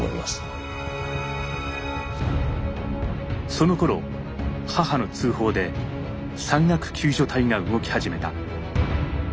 そのころ母の通報で山岳救助隊が動き始めた。